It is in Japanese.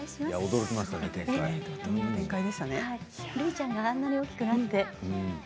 るいちゃんがあんなに大きくなって。